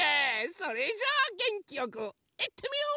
それじゃあげんきよくいってみよう！